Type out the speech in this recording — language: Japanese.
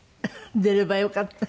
出ればよかった。